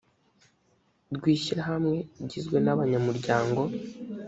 rw ishyirahamwe igizwe n abanyamuryango